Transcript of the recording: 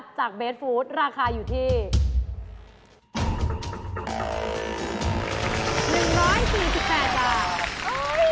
จากเบสฟู้ดราคาอยู่ที่๑๔๘บาท